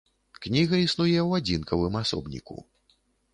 Кніга існуе ў адзінкавым асобніку.